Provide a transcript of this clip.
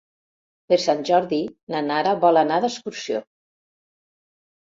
Per Sant Jordi na Nara vol anar d'excursió.